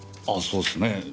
あそうっすね。